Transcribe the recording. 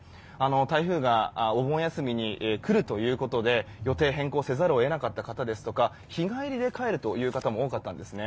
台風がお盆休みに来るということで予定変更せざるを得なかった方々ですとか日帰りで帰るという方も多かったんですね。